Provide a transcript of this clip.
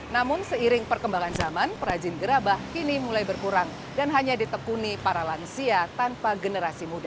namun seiring perkembangan zaman perajin gerabah kini mulai berkurang dan hanya ditekuni para lansia tanpa generasi muda